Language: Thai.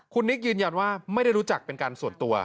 คุณนิกยืนยันว่าไม่ได้รู้จักเป็นการส่วนตัว